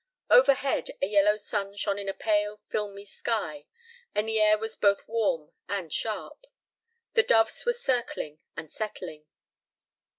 Overhead a yellow sun shone in a pale filmy sky and the air was both warm and sharp. The doves were circling and settling.